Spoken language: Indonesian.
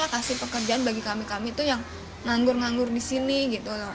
tolonglah kasih pekerjaan bagi kami kami itu yang nganggur nganggur di sini gitu